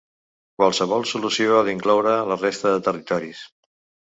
Qualsevol solució ha d’incloure la resta de territoris.